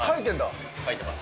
描いてます。